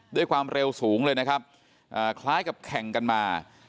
ด้วยความเร็วสูงเลยนะครับคล้ายกับแข่งกันมา